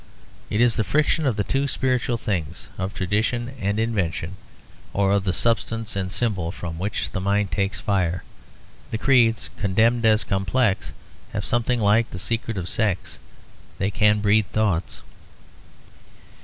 It is the friction of two spiritual things, of tradition and invention, or of substance and symbol, from which the mind takes fire. The creeds condemned as complex have something like the secret of sex; they can breed thoughts.